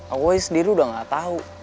aku sendiri udah gak tau